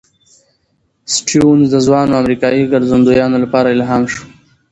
سټيونز د ځوانو امریکايي ګرځندویانو لپاره الهام شو.